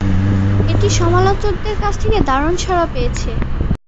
এটি সমালোচকদের কাছ থেকে দারুন সাড়া পেয়েছে।